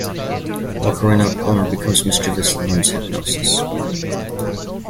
While growing up, Omar becomes mischievous and learns hypnosis.